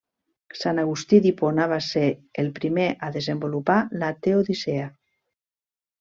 Sant Agustí d'Hipona va ser el primer a desenvolupar la teodicea.